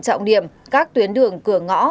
trọng điểm các tuyến đường cửa ngõ